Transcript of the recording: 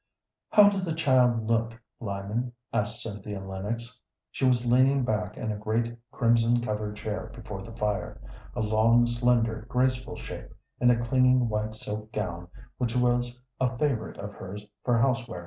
"How does the child look, Lyman?" asked Cynthia Lennox. She was leaning back in a great crimson covered chair before the fire, a long, slender, graceful shape, in a clinging white silk gown which was a favorite of hers for house wear.